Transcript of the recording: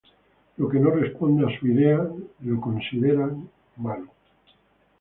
Lo que no responde a su idea, lo consideran malo.